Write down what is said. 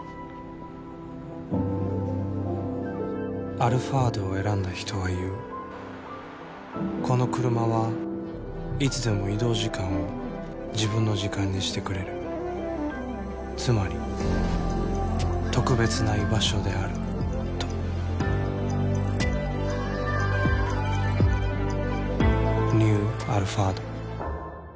「アルファード」を選んだ人は言うこのクルマはいつでも移動時間を自分の時間にしてくれるつまり特別な居場所であるとニュー「アルファード」